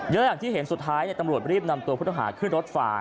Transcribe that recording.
แล้วอย่างที่เห็นสุดท้ายเนี่ยตำรวจรีบนำตัวพุทธอาหารขึ้นรถฝ่า